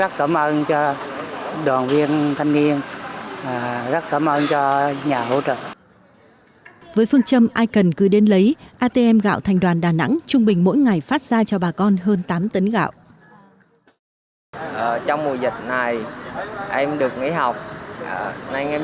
các đoàn viên thanh niên trên địa bàn đà nẵng luôn luôn viên nhau túc trực hỗ trợ người dân đến nhận gạo